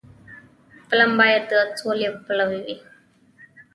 فلم باید د سولې پلوي وي